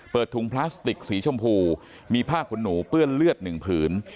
ถุงพลาสติกสีชมพูมีผ้าขนหนูเปื้อนเลือดหนึ่งผืน